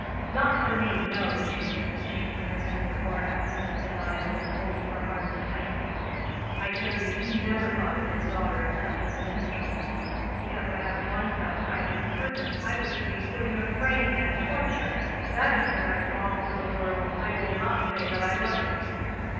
"Not for me, no," she said, shaking her head with more absolute denial, and folding her arms tightly. "I tell you, he never thought of his daughter except as an instrument. Because I had wants outside his purpose, I was to be put in a frame and tortured. If that is the right law for the world, I will not say that I love it.